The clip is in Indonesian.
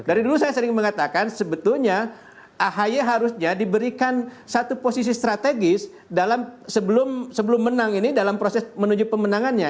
dari dulu saya sering mengatakan sebetulnya ahy harusnya diberikan satu posisi strategis dalam sebelum menang ini dalam proses menuju pemenangannya